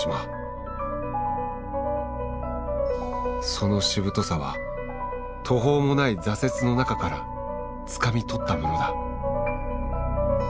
そのしぶとさは途方もない挫折の中からつかみ取ったものだ。